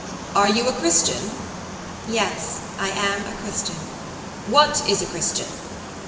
"Are you a Christian?" "Yes, I am a Christian." "What is a Christian?"